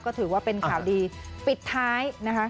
ก็ถือว่าเป็นข่าวดีปิดท้ายนะคะ